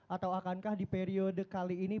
atau akankah di periode kali ini